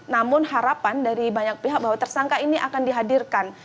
namun harapan dari banyak pihak bahwa tersangka ini akan dihadirkan